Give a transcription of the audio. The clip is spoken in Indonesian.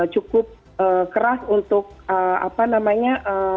cukup keras untuk apa namanya